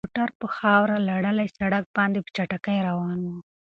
موټر په خاورو لړلي سړک باندې په چټکۍ روان و.